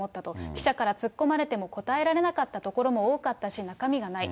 記者から突っ込まれても答えられなかったところも多かったし、中身がない。